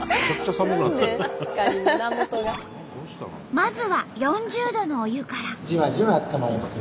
まずは４０℃のお湯から。